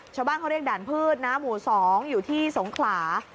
ชาวบ้านเขาเรียกด่านพืชนะหมู่๒อยู่ที่สงขลา